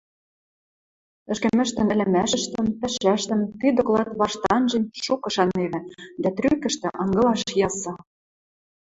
Ӹшкӹмӹштӹн ӹлӹмӓшӹштӹм, пӓшӓштӹм, ти доклад вашт анжен, шукы шаневӹ, дӓ трӱкӹштӹ ынгылаш ясы.